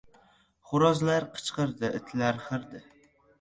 Xo‘rozlar qichqirdi. Itlar hurdi.